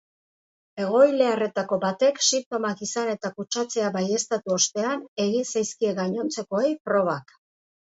Egoiliarretako batek sintomak izan eta kutsatzea baieztatu ostean egin zaizkie gainontzekoei probak.